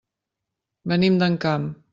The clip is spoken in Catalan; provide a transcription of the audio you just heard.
Venim d'Encamp.